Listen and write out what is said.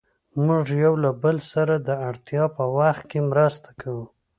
موږ يو له بل سره د اړتیا په وخت کې مرسته کوو.